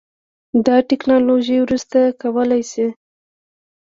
دا ټیکنالوژي وروسته کولی شي